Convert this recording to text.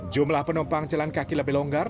jumlah penumpang jalan kaki lebih longgar